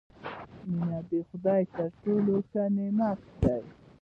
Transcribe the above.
• مینه د خدای تر ټولو ښکلی نعمت دی.